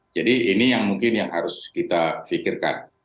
ini yang mungkin yang harus kita pikirkan